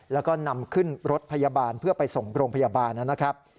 แล้วก็นำขึ้นรถพยาบาลเพื่อไปส่งโรงพยาบาลนะครับ